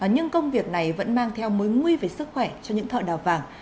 nhưng công việc này vẫn mang theo mối nguy về sức khỏe cho những thợ đào vàng